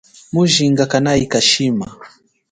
Mujinga kanahika shima.